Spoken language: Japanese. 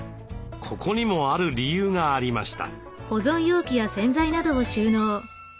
ここにもある理由がありました。